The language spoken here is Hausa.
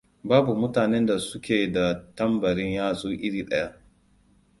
Babu mutanen da su ke da tambarin yatsu iri ɗaya.